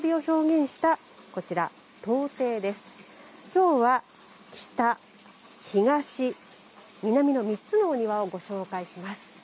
今日は北東南の３つのお庭をご紹介します。